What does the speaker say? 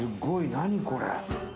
何これ？